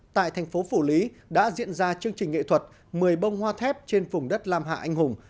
tại thành phố phủ lý đã diễn ra chương trình nghệ thuật một mươi bông hoa thép trên vùng đất lam hạ anh hùng